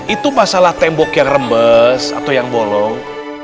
itu masalah tembok yang rembes atau yang bolong